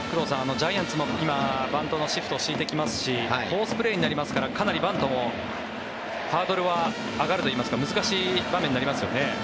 ジャイアンツも今バントのシフトを敷いてきますしフォースプレーになりますからかなりバントもハードルは上がるといいますか難しいですよ。